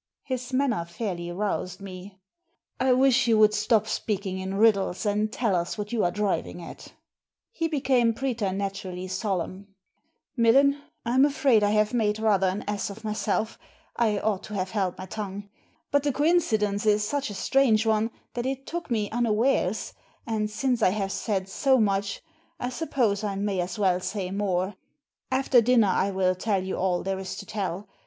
His manner fairly roused me. " I wish you would stop speaking in riddles, and tell us what you are driving at" He became pretematurally solemn. " Millen, I'm afraid I have made rather an ass of myself; I ought to have held my tongue. But the coincidence is such a strange one that it took me unawares, and since I have said so much I suppose I may as well say more. After dinner I will tell you all there is to tell.